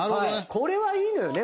これはいいのよね